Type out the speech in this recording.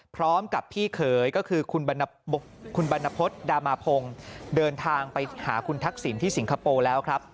พร้อมกับพี่เขยก็คือคุณบรรณพฤษดามาพงศ์เดินทางไปหาคุณทักษิณที่สิงคโปร์แล้วครับ